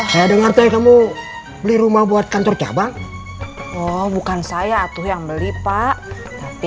saya dengar tuh kamu beli rumah buat kantor cabang oh bukan saya tuh yang beli pak tapi